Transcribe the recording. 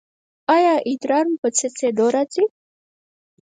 ایا ادرار مو په څڅیدو راځي؟